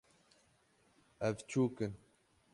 Ev çûk in